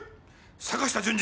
坂下純次